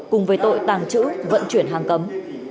cùng với tội tàng trữ vận chuyển hàng cấm